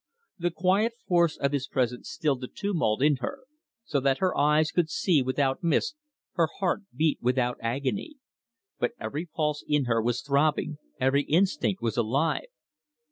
The quiet force of his presence stilled the tumult in her, so that her eyes could see without mist, her heart beat without agony; but every pulse in her was throbbing, every instinct was alive.